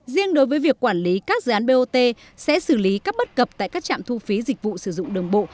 riêng đối với việc quản lý các dự án bot sẽ xử lý các bất cập tại các trạm thu phí dịch vụ sử dụng đường bộ